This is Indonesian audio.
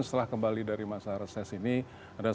setelah kembali dari masa reses ini ada